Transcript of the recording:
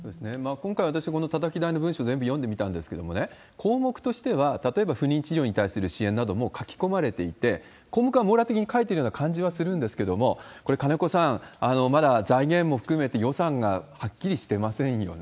今回、私、このたたき台の文書、全部読んでみたんですけどね、項目としては例えば不妊治療に対する支援なども書き込まれていて、網羅的に書いてるような感じはするんですけれども、これ、金子さん、まだ財源も含めて予算がはっきりしてませんよね。